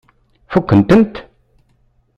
Fukken-tent?